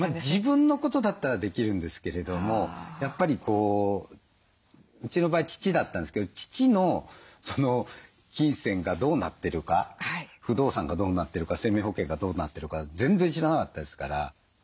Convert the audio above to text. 自分のことだったらできるんですけれどもやっぱりこううちの場合父だったんですけど父の金銭がどうなってるか不動産がどうなってるか生命保険がどうなってるか全然知らなかったですから。